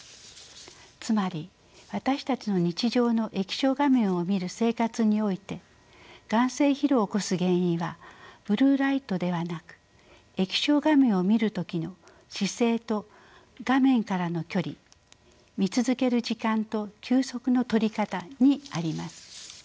つまり私たちの日常の液晶画面を見る生活において眼精疲労を起こす原因はブルーライトではなく液晶画面を見る時の姿勢と画面からの距離見続ける時間と休息のとり方にあります。